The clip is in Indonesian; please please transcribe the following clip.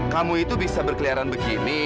kamu itu bisa berkeliaran begini